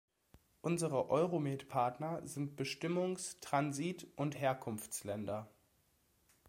Unsere Euromed-Partner sind Bestimmungs-, Transit- und Herkunftsländer.